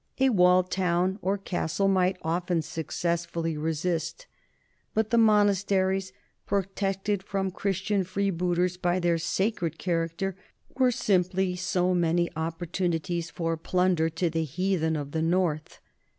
A walled town or castle might often successfully resist, but the monasteries, protected from Christian freeboot ers by their sacred character, were simply so many oppor tunities for plunder to the heathen of the north.